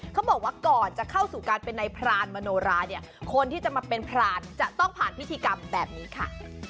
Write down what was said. เขาบอกว่าก่อนจะเข้าสู่การเป็นนายพรานมโนราเนี่ยคนที่จะมาเป็นพรานจะต้องผ่านพิธีกรรมแบบนี้ค่ะ